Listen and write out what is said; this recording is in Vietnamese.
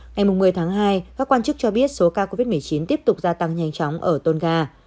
ngày một mươi tháng hai các quan chức cho biết số ca covid một mươi chín tiếp tục gia tăng nhanh chóng ở tonga